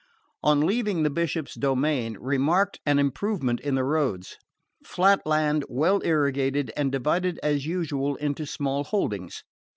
On leaving the Bishop's domain, remarked an improvement in the roads. Flat land, well irrigated, and divided as usual into small holdings.